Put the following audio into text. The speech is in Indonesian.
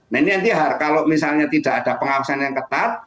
nah ini nanti kalau misalnya tidak ada pengawasan yang ketat